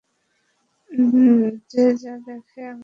যে যা দেখে আমাকে এসে অর্থ জিজ্ঞেস করে।